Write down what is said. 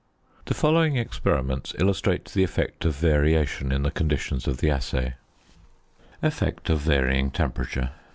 The following experiments illustrate the effect of variation in the conditions of the assay: ~Effect of Varying Temperature.